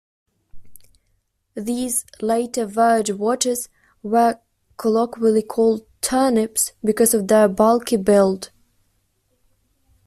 These later verge watches were colloquially called 'turnips' because of their bulky build.